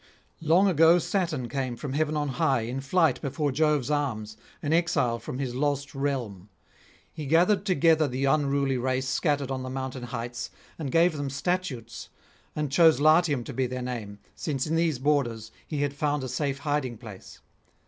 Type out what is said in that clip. Long ago Saturn came from heaven on high in flight before Jove's arms, an exile from his lost realm. He gathered together the unruly race scattered on the mountain heights, and gave them statutes, and chose Latium to be their name, since in these borders he had found a safe hiding place.